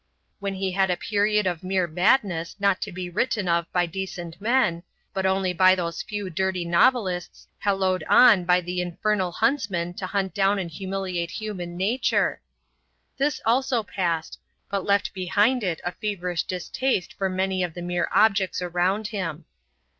Then he had a period of mere madness not to be written of by decent men, but only by those few dirty novelists hallooed on by the infernal huntsman to hunt down and humiliate human nature. This also passed, but left behind it a feverish distaste for many of the mere objects around him.